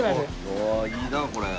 うわいいなあこれ。